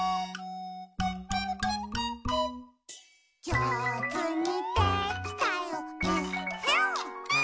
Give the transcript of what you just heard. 「じょうずにできたよえっへん」